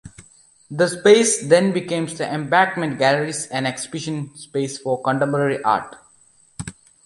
The space then became the Embankment Galleries, an exhibition space for contemporary art.